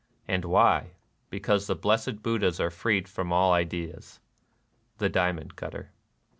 And why ? Because the blessed Buddhas are freed from all ideas." — The Diamond Cutter.